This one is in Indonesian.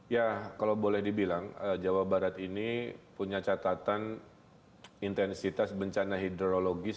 ya kalau boleh dibilang jawa barat ini punya catatan intensitas bencana hidrologis